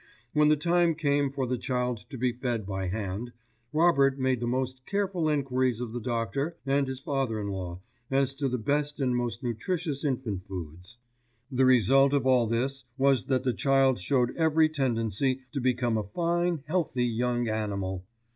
When the time came for the child to be fed by hand, Robert made the most careful enquiries of the doctor and his father in law as to the best and most nutritious infant foods. The result of all this was that the child showed every tendency to become a fine healthy young animal.